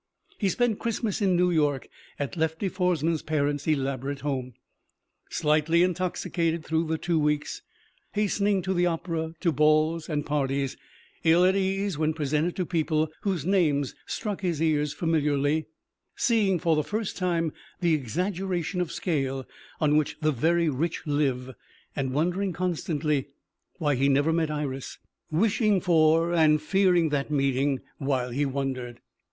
He spent Christmas in New York at Lefty Foresman's parents' elaborate home, slightly intoxicated through the two weeks, hastening to the opera, to balls and parties, ill at ease when presented to people whose names struck his ears familiarly, seeing for the first time the exaggeration of scale on which the very rich live and wondering constantly why he never met Iris, wishing for and fearing that meeting while he wondered.